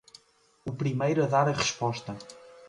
O primeiro a dar a resposta